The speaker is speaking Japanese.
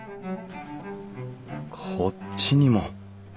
こっちにも。